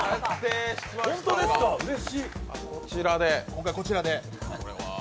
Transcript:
今回こちらです。